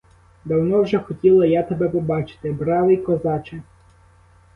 Давно вже хотіла я тебе побачити, бравий козаче!